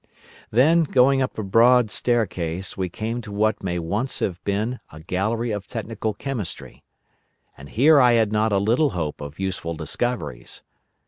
"Then, going up a broad staircase, we came to what may once have been a gallery of technical chemistry. And here I had not a little hope of useful discoveries.